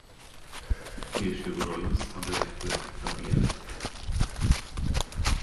Később Rollins a Black Flag tagja lett.